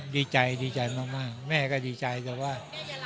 ดีใจดีใจมากแม่ก็ดีใจแต่ว่า